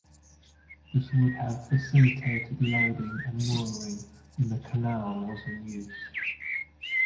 This would have facilitated loading and mooring when the canal was in use.